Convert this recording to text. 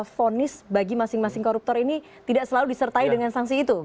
fonis bagi masing masing koruptor ini tidak selalu disertai dengan sanksi itu